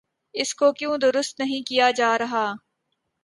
اس کو کیوں درست نہیں کیا جا رہا؟